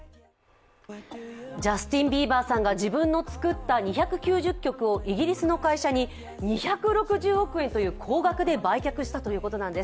ジャスティン・ビーバーさんが自分の作った楽曲をイギリスの会社に２６０億円という高額で売却したということなんです。